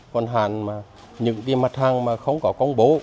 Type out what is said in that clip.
còn những cái mặt hàng mà không có công bố